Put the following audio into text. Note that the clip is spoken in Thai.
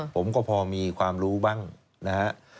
ผมก็พอมีความรู้บ้างนะฮะ